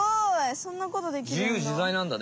そんなことできるんだ。